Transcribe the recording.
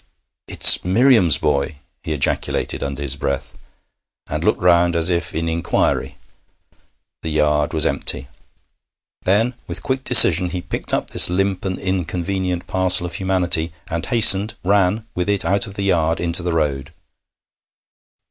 'It's Miriam's boy!' he ejaculated under his breath, and looked round as if in inquiry the yard was empty. Then with quick decision he picked up this limp and inconvenient parcel of humanity and hastened ran with it out of the yard into the road.